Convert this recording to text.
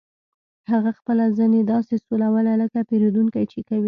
هغه خپله زنې داسې سولوله لکه پیرودونکي چې کوي